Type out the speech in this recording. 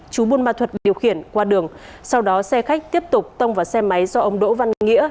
chú buôn ma thuật điều khiển qua đường sau đó xe khách tiếp tục tông vào xe máy do ông đỗ văn nghĩa